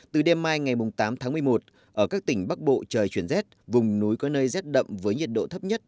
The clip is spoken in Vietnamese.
từ đêm mai ngày tám tháng một mươi một ở các tỉnh bắc bộ trời chuyển rét vùng núi có nơi rét đậm với nhiệt độ thấp nhất